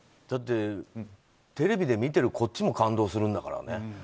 だって、テレビで見てるこっちも感動するんだからね。